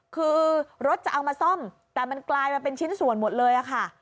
คือรถจะเอามาซ่อมแต่มันกลายมาเป็นชิ้นส่วนหมดเลยค่ะ